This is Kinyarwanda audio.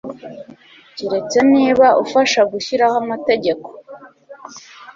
keretse niba ufasha gushyiraho amategeko